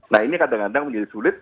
nah ini kadang kadang menjadi sulit